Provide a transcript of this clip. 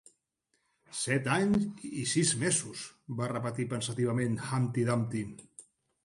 "Set anys i sis mesos" va repetir pensativament Humpty Dumpty.